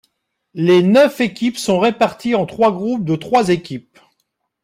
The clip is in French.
Les neuf équipes sont répartis en trois groupes de trois équipes.